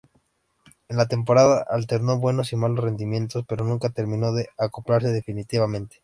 En la temporada, alternó buenos y malos rendimientos, pero nunca terminó de acoplarse definitivamente.